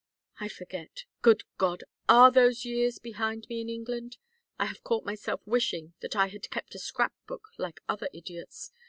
I forget good God! Are those years behind me in England? I have caught myself wishing that I had kept a scrap book like other idiots.